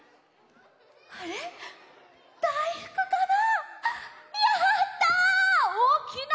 あれだいふくかな？